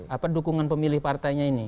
apa dukungan pemilih partainya ini